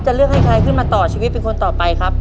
เลือกให้ใครขึ้นมาต่อชีวิตเป็นคนต่อไปครับ